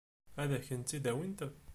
Ad kent-tt-id-awint?